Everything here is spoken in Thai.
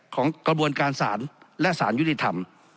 ของกระบวนการศาลและสารยุติธรรม